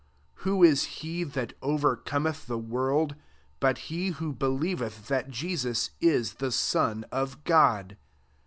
5 Who is he that overcometh the world, but be who believeth that Jeaus is the Son of God?